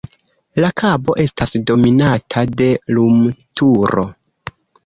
La kabo estas dominata de lumturo.